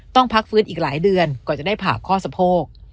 พักฟื้นอีกหลายเดือนก่อนจะได้ผ่าข้อสะโพก